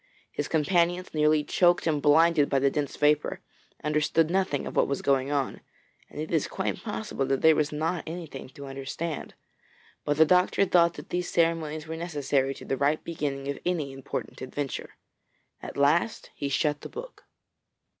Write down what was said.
His companions, nearly choked and blinded by the dense vapour, understood nothing of what was going on, and it is quite possible that there was not anything to understand, but the doctor thought that these ceremonies were necessary to the right beginning of any important adventure. At last he shut the book.